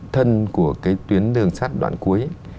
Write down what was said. thân của cái tuyến đường sát đoạn cuối